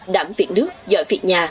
đảm viện nước giỏi viện nhà